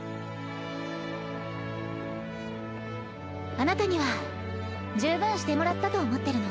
あなたには十分してもらったと思ってるの。